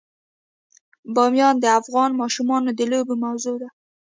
بامیان د افغان ماشومانو د لوبو موضوع ده.